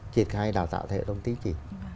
triệt khai đào tạo thể động tính chỉ